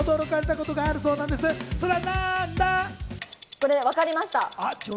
これ分かりました。